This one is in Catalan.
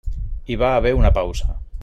Hi va haver una pausa.